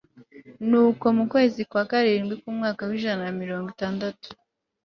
nuko mu kwezi kwa karindwi k'umwaka w'ijana na mirongo itandatu